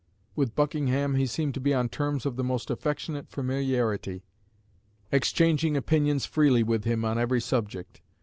With Buckingham he seemed to be on terms of the most affectionate familiarity, exchanging opinions freely with him on every subject.